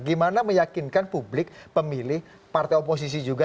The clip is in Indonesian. gimana meyakinkan publik pemilih partai oposisi juga